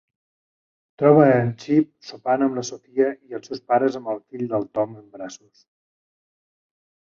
Troba en Chip sopant amb la Sofia i els seus pares amb el fill del Tom en braços.